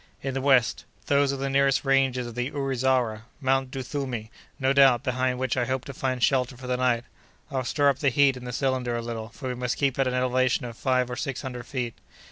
"In the west—those are the nearest ranges of the Ourizara—Mount Duthumi, no doubt, behind which I hope to find shelter for the night. I'll stir up the heat in the cylinder a little, for we must keep at an elevation of five or six hundred feet."